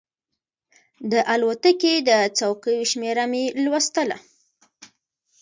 د الوتکې د څوکیو شمېره مې لوستله.